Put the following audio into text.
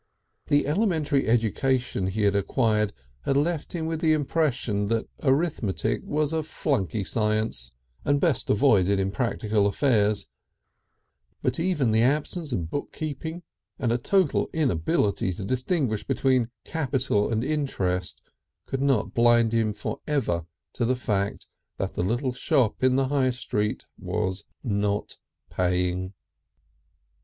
The elementary education he had acquired had left him with the impression that arithmetic was a fluky science and best avoided in practical affairs, but even the absence of book keeping and a total inability to distinguish between capital and interest could not blind him for ever to the fact that the little shop in the High Street was not paying.